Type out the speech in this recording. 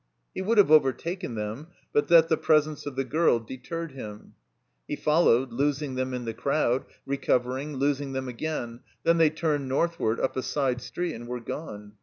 He would have overtaken them but that the presence of the girl deterred him. He followed, losing them in the crowd, recovering, losing them again; then they turned northward up a side street and were gone.